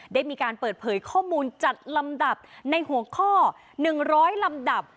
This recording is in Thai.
ได้มีการเปิดเผยข้อมูลจัดลำดับในหัวข้อ๑๐๐ลำดับ